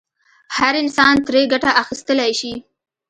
هر انسان ترې ګټه اخیستلای شي.